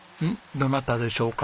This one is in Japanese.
どなたでしょうか？